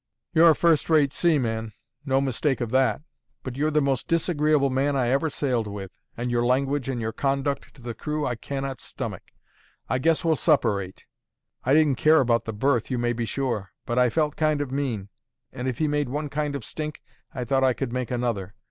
You're a first rate seaman, no mistake of that; but you're the most disagreeable man I ever sailed with; and your language and your conduct to the crew I cannot stomach. I guess we'll separate.' I didn't care about the berth, you may be sure; but I felt kind of mean; and if he made one kind of stink, I thought I could make another.